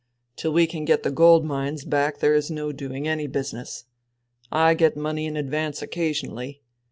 Till we can get the gold mines back there is no doing any business. I get money in advance occasionally.